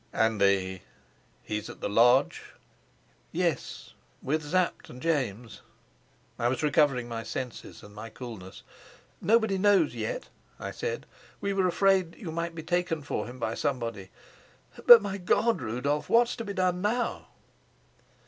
"And the.... He's at the lodge?" "Yes, with Sapt and James." I was recovering my senses and my coolness. "Nobody knows yet," I said. "We were afraid you might be taken for him by somebody. But, my God, Rudolf, what's to be done now?"